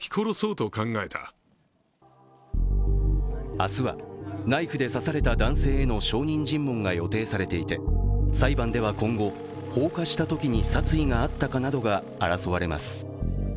明日は、ナイフで刺された男性への証人尋問が予定されていて裁判では今後、放火したときに殺意があったかなどが争われます。